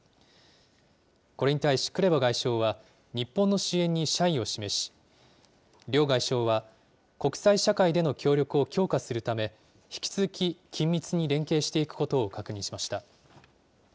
これに対しクレバ外相は、日本の支援に謝意を示し、両外相は国際社会での協力を強化するため、引き続き緊密に連携していくことを確認しました。